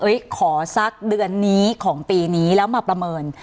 เฮ้ยขอสักเดือนนี้ของปีนี้มาประเมิน